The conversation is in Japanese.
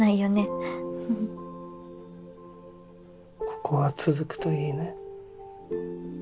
ここは続くといいね。